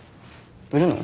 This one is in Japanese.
売るの？